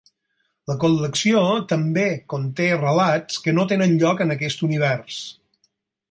La col·lecció també conté relats que no tenen lloc en aquest univers.